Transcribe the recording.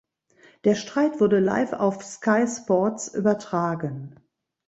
Der Streit wurde live auf Sky Sports übertragen.